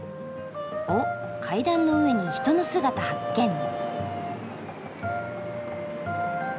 おっ階段の上に人の姿発見。